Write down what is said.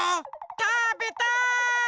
たべたい！